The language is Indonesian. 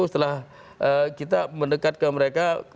setelah kita mendekat ke mereka